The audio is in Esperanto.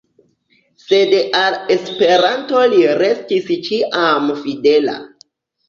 Sed al Esperanto li restis ĉiam fidela.